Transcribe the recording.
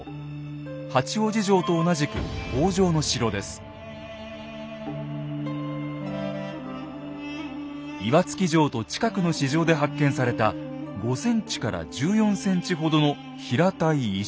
八王子城と同じく岩槻城と近くの支城で発見された５ｃｍから１４ｃｍほどの平たい石。